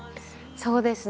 そうですね。